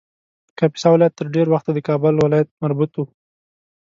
کاپیسا ولایت تر ډېر وخته د کابل ولایت مربوط و